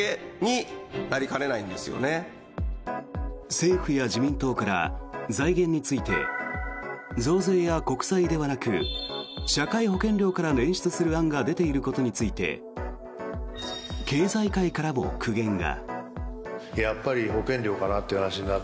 政府や自民党から財源について増税や国債ではなく社会保険料から捻出する案が出ていることについて経済界からも苦言が。